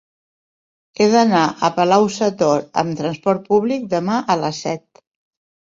He d'anar a Palau-sator amb trasport públic demà a les set.